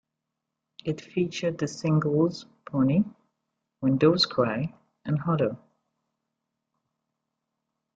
It featured the singles "Pony", "When Doves Cry" and "Holler".